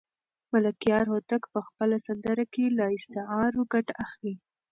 ملکیار هوتک په خپله سندره کې له استعارو ګټه اخلي.